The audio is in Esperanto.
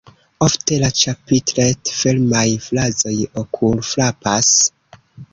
Ofte la ĉapitret-fermaj frazoj okul-frapas.